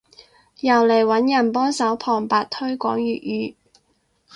又嚟揾人幫手旁白推廣粵語